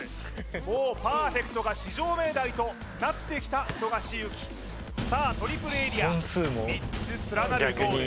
もうパーフェクトが至上命題となってきた富樫勇樹さあトリプルエリア３つ連なるゴール